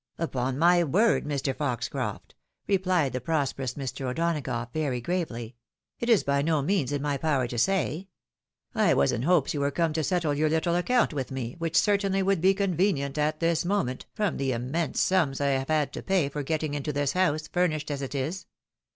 " Upon my word, Mr. Foxcroft," replied the prosperous Mr. O'Donagough, very gravely, " it is by no means in my power to say. I was in hopes you were come to settle your little account vrith me, which certainly would be convenient at this moment, from the immense sums I have had to pay for getting into this house, furnished as it is.